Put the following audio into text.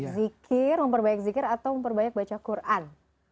zikir memperbaik zikir atau memperbanyak baca quran